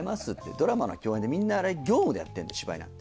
ドラマの共演でみんなあれ業務でやってんだ芝居なんて。